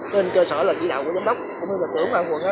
nên cơ sở là chỉ đạo của giám đốc cũng như là trưởng của bệnh viện quận